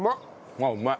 ああうまい。